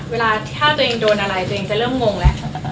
เวลาถ้าตัวเองโดนอะไรตัวเองจะเริ่มงงแล้ว